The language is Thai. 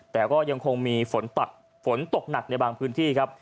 แต่ก็ยังคงมีฝนตกหนักในบางพื้นที่ครับ